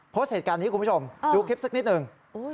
โพสต์เหตุการณ์นี้คุณผู้ชมดูคลิปสักนิดหนึ่ง